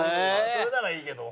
それならいいけど。